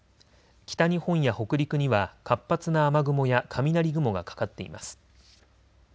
北日本や北陸には活発な雨雲や雷雲がかかっています。